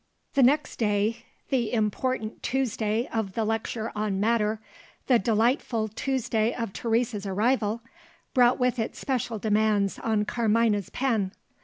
The next day the important Tuesday of the lecture on Matter; the delightful Tuesday of Teresa's arrival brought with it special demands on Carmina's pen.